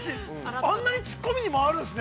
あんなにツッコミに回るんですね。